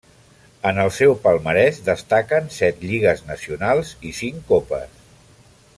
En el seu palmarès destaquen set lligues nacionals i cinc copes.